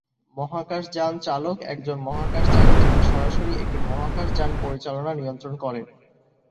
মহাকাশযান চালক একজন মহাকাশচারী যিনি সরাসরি একটি মহাকাশযান পরিচালনা নিয়ন্ত্রণ করেন।